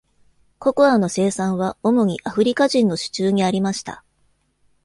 ココアの生産は主にアフリカ人の手中にありました。